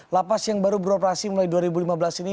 lapas yang baru beroperasi mulai dua ribu lima belas ini